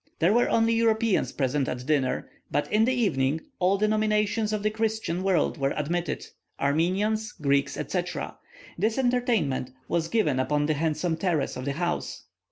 There were only Europeans present at dinner, but in the evening, all denominations of the Christian world were admitted Armenians, Greeks, etc. This entertainment was given upon the handsome terraces of the house.